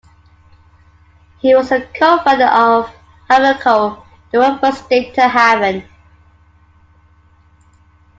He was a co-founder of HavenCo, the world's first data haven.